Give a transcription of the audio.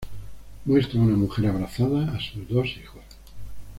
Muestra una mujer abrazada a sus dos hijos.